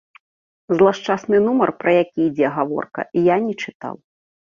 Злашчасны нумар, пра які ідзе гаворка, я не чытаў.